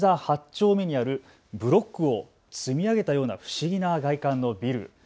丁目にあるブロックを積み上げたような不思議な外観のビル。